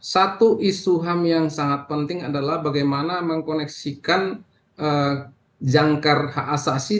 satu isu ham yang sangat penting adalah bagaimana mengkoneksikan jangkar hak asasi